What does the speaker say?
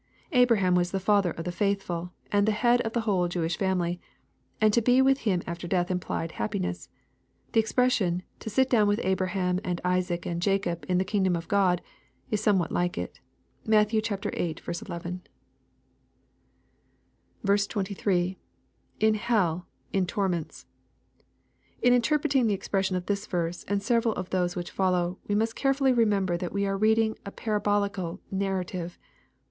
Abraham was the father of the faithful, and the head of the whole Jewish family, and to be with him after death implied happiness. The expression, " to sit down with Abraham, and Isaac, and Jacob in the kingdom of God," is somewhat like it (Matt. viii. ll.) tX — [In helL.in torments.] In interpreting the expressions of this verse, and several of those which follow, we must carefully re member that we are reading a parabolical narrative.